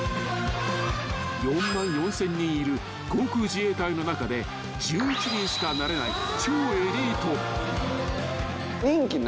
［４万４，０００人いる航空自衛隊の中で１１人しかなれない超エリート］